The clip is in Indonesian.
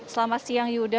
selamat siang yuda